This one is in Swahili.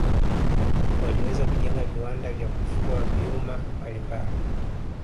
waliweza kujenga viwanda vya kufua vyuma mbalimbali